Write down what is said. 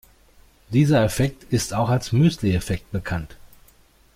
Dieser Effekt ist auch als Müsli-Effekt bekannt.